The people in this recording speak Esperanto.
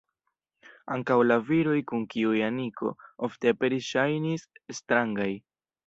Ankaŭ la viroj kun kiuj Aniko ofte aperis ŝajnis strangaj.